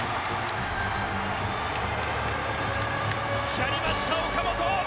やりました、岡本。